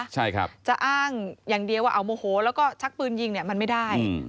ใช่ครับจะอ้างอย่างเดียวว่าเอาโมโหแล้วก็ชักปืนยิงเนี่ยมันไม่ได้